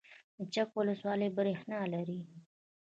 د چک ولسوالۍ بریښنا لري